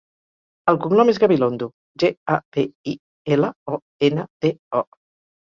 El cognom és Gabilondo: ge, a, be, i, ela, o, ena, de, o.